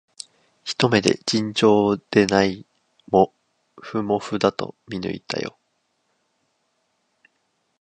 ひと目で、尋常でないもふもふだと見抜いたよ